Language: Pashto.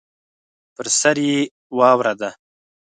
پر سر یې واوره ده.